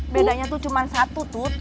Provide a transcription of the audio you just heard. bedanya tuh cuma satu tuh